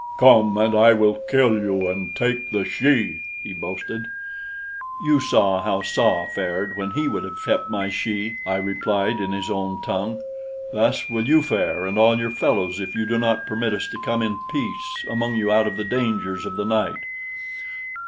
"Come and I will kill you and take the she," he boasted. "You saw how Tsa fared when he would have kept my she," I replied in his own tongue. "Thus will you fare and all your fellows if you do not permit us to come in peace among you out of the dangers of the night."